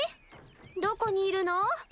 どこにいるの？